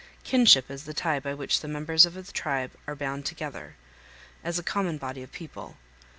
Kinship is the tie by which the members of the tribe are bound together as a common body of people.